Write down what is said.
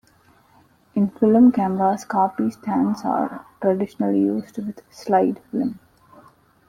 In film cameras, copy stands are traditionally used with slide film.